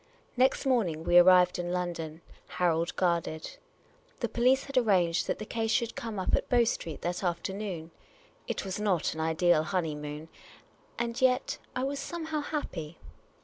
Next morning we arrived in London, Harold guarded. The police had arranged that the case should come up at Bow Street that afternoon. It was not an ideal honeymoon, and yet, I was somehow happy.